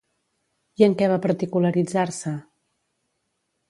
I en què va particularitzar-se?